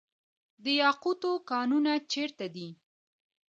د یاقوتو کانونه چیرته دي؟